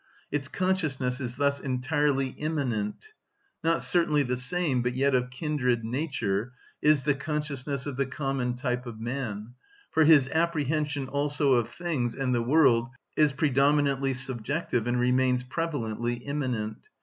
Its consciousness is thus entirely immanent. Not certainly the same, but yet of kindred nature, is the consciousness of the common type of man, for his apprehension also of things and the world is predominantly subjective and remains prevalently immanent.